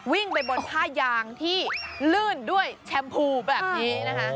วิ่งไปบนผ้ายางที่ลื่นด้วยแชมพูแบบนี้นะคะ